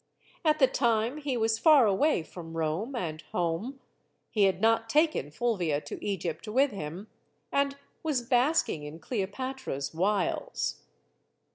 At the time, he was far away from Rome and home he had not taken Fulvia to Egypt with him and was basking in Cleo patra's wiles.